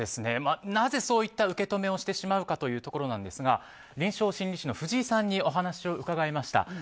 なぜそういった受け止めをしてしまうかというところなんですが臨床心理士の藤井さんにお話を伺いました。